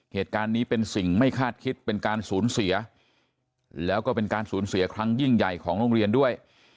เหตุการณ์นี้เป็นสิ่งไม่คาดคิดเป็นการสูญเสียแล้วก็เป็นการสูญเสียครั้งยิ่งใหญ่ของโรงเรียนด้วย